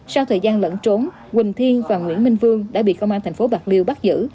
sau thời gian lẫn trốn quỳnh thiên và nguyễn minh vương đã bị công an thành phố bạc liêu bắt giữ